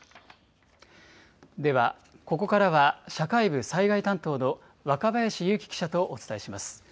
ではここからは、社会部災害担当の若林勇希記者とお伝えします。